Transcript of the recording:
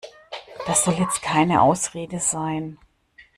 Das soll jetzt keine Ausrede sein.